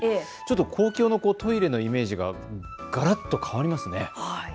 ちょっと公共のトイレのイメージががらっと変わりますね。